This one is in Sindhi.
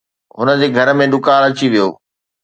هن جي گهر ۾ ڏڪار اچي ويو